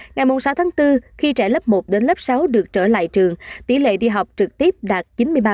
ngày sáu tháng bốn khi trẻ lớp một đến lớp sáu được trở lại trường tỷ lệ đi học trực tiếp đạt chín mươi ba